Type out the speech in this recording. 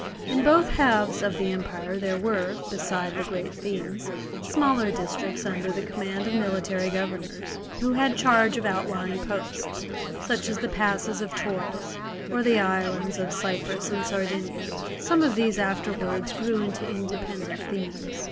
In both halves of the empire there were, beside the great themes, smaller districts under the command of military governors, who had charge of outlying posts, such as the passes of Taurus, or the islands of Cyprus and Sardinia. Some of these afterwards grew into independent themes.